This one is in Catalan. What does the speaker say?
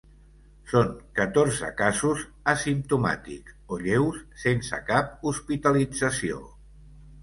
Són catorze casos asimptomàtics o lleus, sense cap hospitalització.